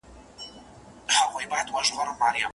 پلار خپل هدف رسولی و.